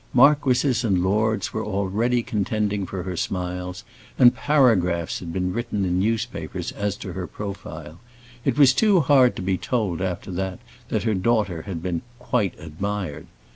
Marquises and lords were already contending for her smiles, and paragraphs had been written in newspapers as to her profile. It was too hard to be told, after that, that her daughter had been "quite admired."